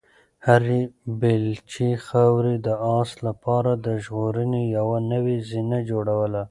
هرې بیلچې خاورې د آس لپاره د ژغورنې یوه نوې زینه جوړوله.